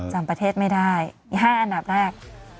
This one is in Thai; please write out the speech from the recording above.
จำประเทศไม่ได้อีก๕อันดับแรก